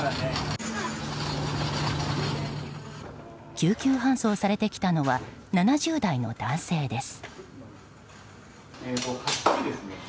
救急搬送されてきたのは７０代の男性です。